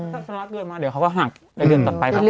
ถ้าสมาร์ทเงินมาเดี๋ยวเขาก็หักในเดือนต่อไปครับ